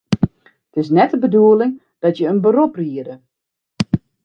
It is net de bedoeling dat je in berop riede.